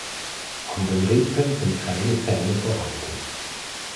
An den Rippen sind keine Zähne vorhanden.